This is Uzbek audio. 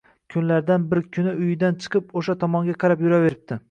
Kunlardan bir kuni uyidan chiqib, oʻsha tomonga qarab yuraveribdi